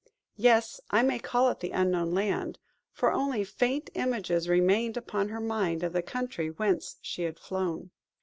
Yes! I may call it the Unknown Land; for only faint images remained upon her mind of the country whence she had flown.